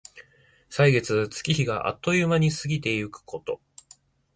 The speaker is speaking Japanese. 歳月、月日があっという間に過ぎてゆくこと。